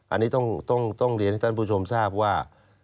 อันนี้ต้องเรียนให้ท่านผู้ชมทราบว่า